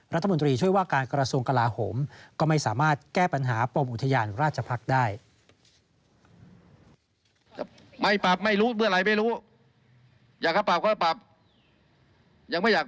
รัฐมนตรีช่วยว่าการกระทรวงกลาโหมก็ไม่สามารถแก้ปัญหาปมอุทยานราชภักษ์ได้